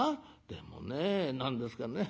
でもね何ですかね